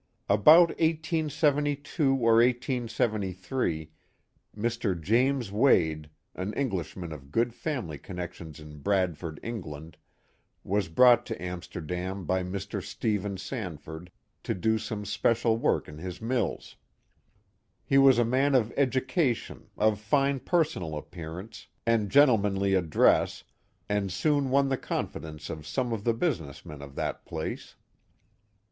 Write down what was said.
About 1872 or 1873, Mr. James Wade, an Englishman of good family connections in Bradford, England, was brought to Amsterdam by Mr. Stephen Sanford to do some special work in his mills. He was a man of education, of fine personal appearance, and gentlemanly address, and soon won the confidence of some of the business men of that place.